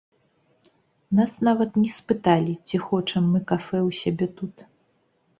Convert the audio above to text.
Нас нават не спыталі, ці хочам мы кафэ ў сябе тут.